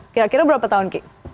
kira kira berapa tahun ki